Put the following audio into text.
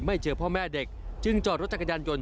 เจอพ่อแม่เด็กจึงจอดรถจักรยานยนต